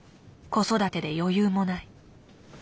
子育てで余裕もない。